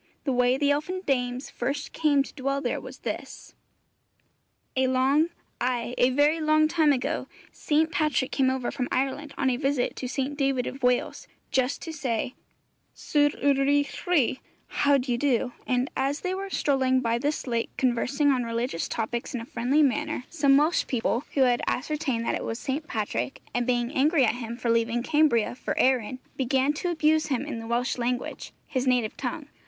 The way the elfin dames first came to dwell there was this: A long, ay, a very long time ago, St. Patrick came over from Ireland on a visit to St. David of Wales, just to say 'Sut yr y'ch chwi?' (How d'ye do?); and as they were strolling by this lake conversing on religious topics in a friendly manner, some Welsh people who had ascertained that it was St. Patrick, and being angry at him for leaving Cambria for Erin, began to abuse him in the Welsh language, his native tongue.